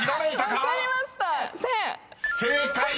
［正解！